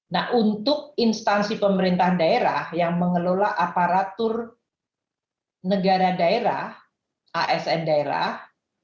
nah untuk instansi pemerintah daerah yang mengelola aparatur negara daerah asn daerah